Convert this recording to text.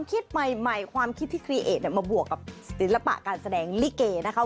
เดี๋ยวเราจะโอนตัดไว้ให้เจ้าภาพไว้ก่อนเลยนะครับ